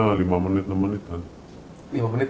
kalau lihat kalau mengintai yang dicari itu yang kondisi motor itu